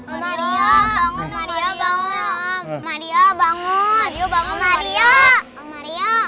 om mario bangun om